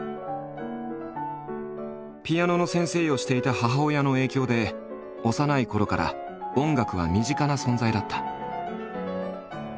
ピアノの先生をしていた母親の影響で幼いころから音楽は身近な存在だった。